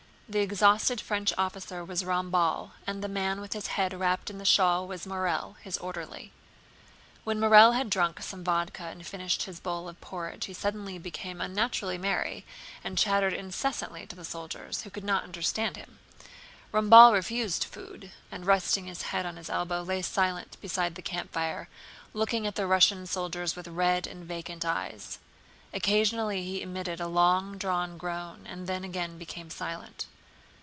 The exhausted French officer was Ramballe and the man with his head wrapped in the shawl was Morel, his orderly. When Morel had drunk some vodka and finished his bowl of porridge he suddenly became unnaturally merry and chattered incessantly to the soldiers, who could not understand him. Ramballe refused food and resting his head on his elbow lay silent beside the campfire, looking at the Russian soldiers with red and vacant eyes. Occasionally he emitted a long drawn groan and then again became silent.